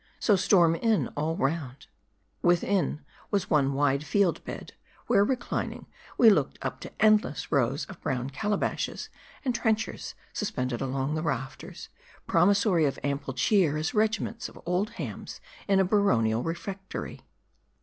So storm in all round." Within, was one wide field bed ; where reclining, we looked up to endless rows of brown calabashes, .and trench ers suspended along the rafters ; promissory of ample cheer as regiments of old hams in a baronial refectory.